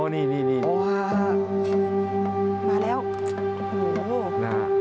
อ๋อนี่มาแล้วโอ้โฮ